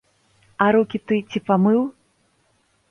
А рукі ты ці памыў?